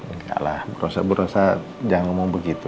enggak lah bu rosa bu rosa jangan ngomong begitu